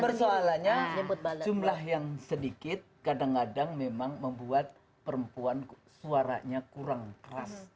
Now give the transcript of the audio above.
persoalannya jumlah yang sedikit kadang kadang memang membuat perempuan suaranya kurang keras